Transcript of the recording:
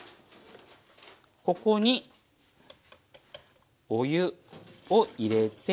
ここにお湯を入れて。